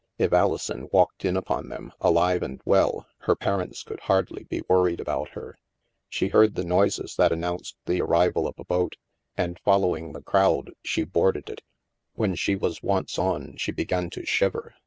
If Alison walked in upon them, alive and well, her parents could hardly be worried about her. She heard the noises that announced the arrival of a boat, and, following the crowd, she boarded it. 262 THE MASK When she was once on, she began to shiver.